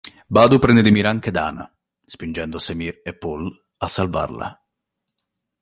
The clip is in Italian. Badu prende di mira anche Dana, spingendo Semir e Paul a salvarla.